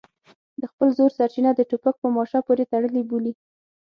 د خپل زور سرچینه د ټوپک په ماشه پورې تړلې بولي.